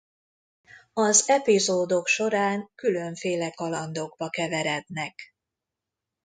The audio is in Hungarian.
Az epizódok során különféle kalandokba keverednek.